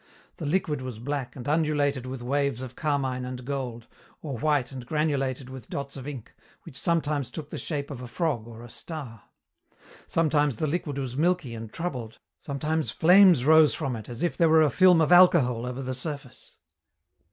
The liquid was black and undulated with waves of carmine and gold, or white and granulated with dots of ink, which sometimes took the shape of a frog or a star. Sometimes the liquid was milky and troubled, sometimes flames rose from it as if there were a film of alcohol over the surface.